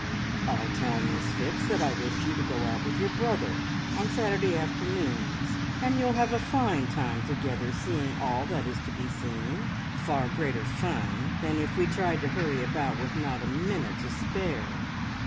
"I'll tell Miss Phipps that I wish you to go out with your brother on Saturday afternoons, and you'll have a fine time together seeing all that is to be seen. Far greater fun than if we tried to hurry about with not a minute to spare."